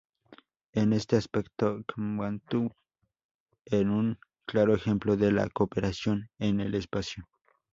En este aspecto, Kwantung en un claro ejemplo de la cooperación en el espacio.